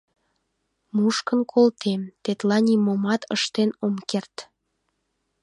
Мушкын колтем, тетла нимомат ыштен ом керт.